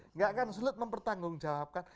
enggak akan sulit mempertanggung jawabkan